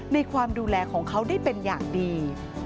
ในความดูแลของเขาได้เป็นอย่างดี